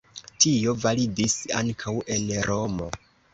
Tio validis ankaŭ en Romo.